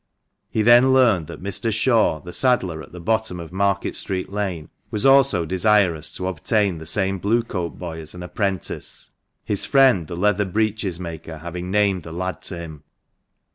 He then learned that Mr. Shaw, the saddler at the bottom of Market street Lane, was also desirous to obtain the same Blue coat boy as an apprentice, his friend the leather breeches maker having named the lad to him.